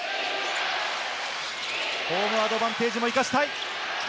ホームアドバンテージも生かしたい。